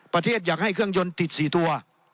อยากให้เครื่องยนต์ติด๔ตัว